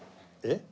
えっ？